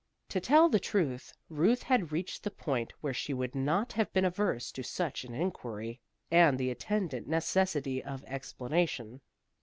To tell the truth, Ruth had reached the point where she would not have been averse to such an inquiry, and the attendant necessity of explanation.